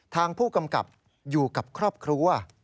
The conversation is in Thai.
ทางผู้กำกับอยู่กับครอบครัว